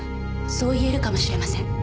そう言えるかもしれません。